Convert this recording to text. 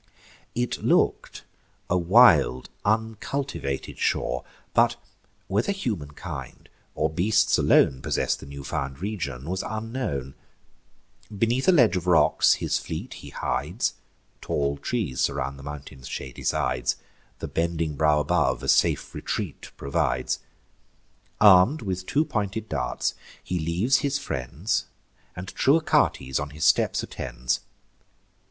It look'd a wild uncultivated shore; But, whether humankind, or beasts alone Possess'd the new found region, was unknown. Beneath a ledge of rocks his fleet he hides: Tall trees surround the mountain's shady sides; The bending brow above a safe retreat provides. Arm'd with two pointed darts, he leaves his friends, And true Achates on his steps attends.